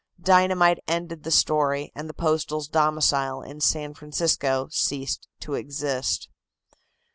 Dynamite ended the story, and the Postal's domicile in San Francisco ceased to exist.